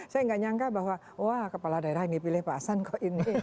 saya nggak nyangka bahwa wah kepala daerah ini pilih pak hasan kok ini